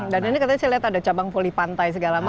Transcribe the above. dan ini katanya saya lihat ada cabang volley pantai segala macam